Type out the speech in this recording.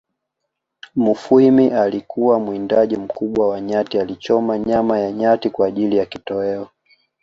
Mufwimi alikuwa mwindaji mkubwa wa nyati alichoma nyama ya nyati kwa ajiri ya kitoeo